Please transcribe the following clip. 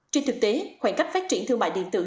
trên thực tế khoảng cách phát triển thương mại điện tử